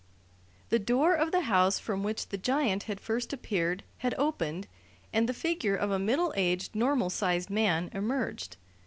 The door of the house from which the giant had first appeared had opened, and the figure of a middle aged, normal sized man emerged.